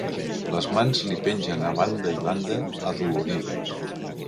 Les mans li pengen a banda i banda, adolorides.